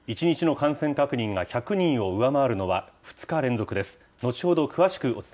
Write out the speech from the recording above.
１日の感染確認が１００人を上回るのは２日連続です。